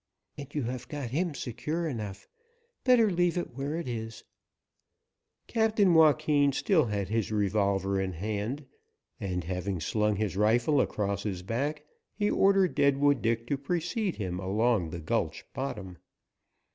"And you have got him secure enough. Better leave it where it is." Captain Joaquin still had his revolver in hand, and having slung his rifle across his back he ordered Deadwood Dick to precede him along the gulch bottom.